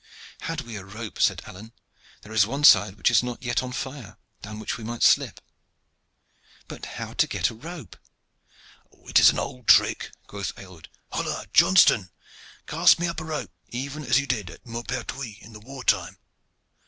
"Had we a rope," said Alleyne, "there is one side which is not yet on fire, down which we might slip." "But how to get a rope?" "It is an old trick," quoth Aylward. "Hola! Johnston, cast me up a rope, even as you did at Maupertuis in the war time."